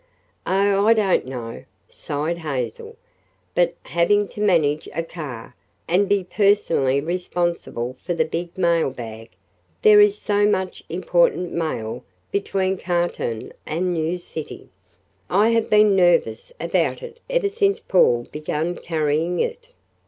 "Oh, I don't know," sighed Hazel; "but having to manage a car, and be personally responsible for the big mailbag there is so much important mail between Cartown and New City I have been nervous about it ever since Paul began carrying it."